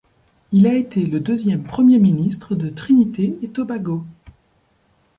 Il a été le deuxième Premier ministre de Trinité-et-Tobago.